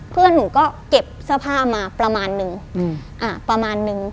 เพื่อนหนูก็เก็บเสื้อผ้ามาประมาณนึง